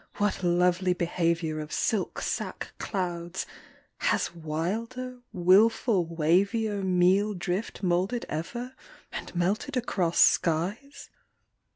what lovely behaviour Of silk sack clouds! has wilder, wilful wavier Meal drift moulded ever and melted across skies?